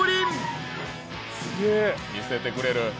見せてくれる。